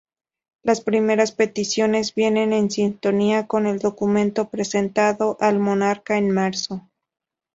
Las primeras peticiones vienen en sintonía con el documento presentado al monarca en marzo.